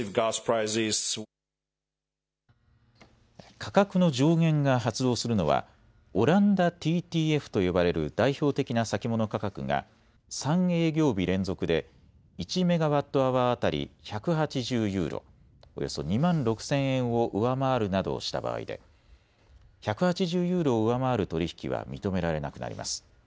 価格の上限が発動するのはオランダＴＴＦと呼ばれる代表的な先物価格が３営業日連続で１メガワットアワー当たり、１８０ユーロ、およそ２万６０００円を上回るなどした場合で１８０ユーロを上回る取り引きは認められなくなります。